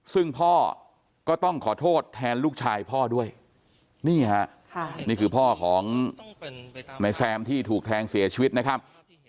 ซึ่งพ่อก็ต้องขอโทษแทนลูกชายพ่อด้วยนี่ฮะนี่คือพ่อของนายแซมที่ถูกแทงเสียชีวิตนะครับ